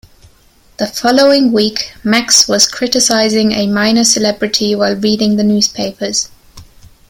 The following week Max was criticising a minor celebrity while reading the newspapers.